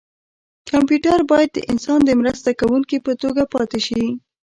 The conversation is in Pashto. کمپیوټر باید د انسان د مرسته کوونکي په توګه پاتې شي.